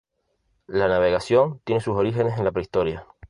La navegación tiene sus orígenes en la prehistoria.